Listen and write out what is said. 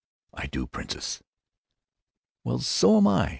"I do, princess." "Well, so am I!